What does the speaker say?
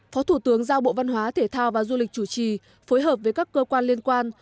phó thủ tướng giao bộ văn hóa thể thao và du lịch chủ trì phối hợp với các cơ quan liên quan